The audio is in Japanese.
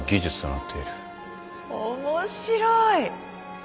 面白い！